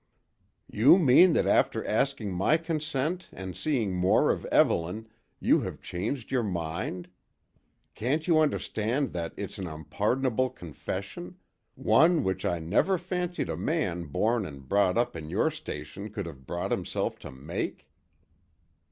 "You mean that after asking my consent and seeing more of Evelyn, you have changed your mind. Can't you understand that it's an unpardonable confession; one which I never fancied a man born and brought up in your station could have brought himself to make."